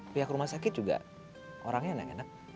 pihak rumah sakit juga orangnya enak enak